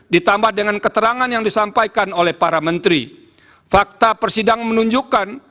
ditambah dengan keterangan yang disampaikan oleh para menteri fakta persidangan menunjukkan